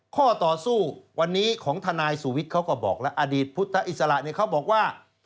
ข้อต่อสู้วันนี้ของทนายสุวิทย์เขาก็บอกแล้วอดีตพุทธอิสระเนี่ยเขาบอกว่า